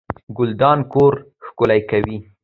ګلدان کور ښکلی کوي